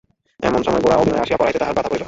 এমন সময় গোরা ও বিনয় আসিয়া পড়াতে তাঁহার বাধা পড়িল।